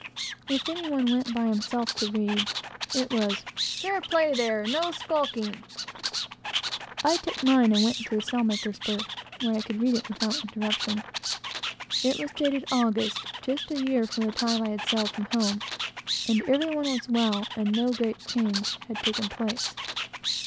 If any one went by himself to read, it was "Fair play, there; and no skulking!" I took mine and went into the sailmaker's berth, where I could read it without interruption. It was dated August, just a year from the time I had sailed from home; and every one was well, and no great change had taken place.